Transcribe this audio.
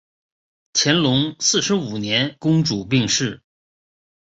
乾隆四十五年公主病逝。